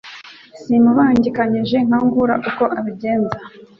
Simubangikanyije Nkangura uko abigenza